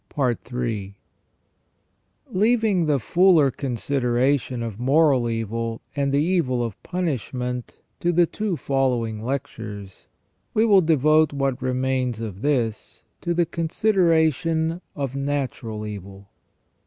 * Leaving the fuller consideration of moral evil and the evil of punishment to the two following lectures, we will devote what remains of this to the consideration of natural evil.